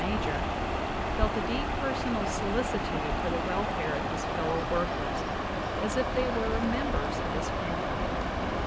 KY i o\\ i;i,i, DAVIS Major," felt a deep personal solicitude for the welfare of his fellow workers, as if they were members of his family.